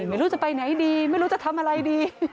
ไม่รู้จะไปไหนดีไม่รู้จะทำอะไรดี